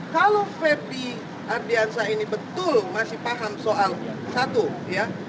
kalau ferdi ardiansa ini betul masih paham soal satu ya